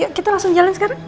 yuk kita langsung jalan sekarang